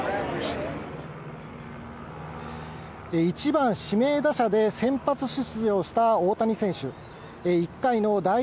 １番指名打者で先発出場した大谷選手。